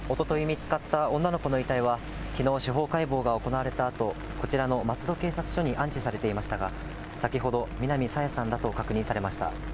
見つかった女の子の遺体は、きのう、司法解剖が行われたあと、こちらの松戸警察署に安置されていましたが、先ほど、南朝芽さんだと確認されました。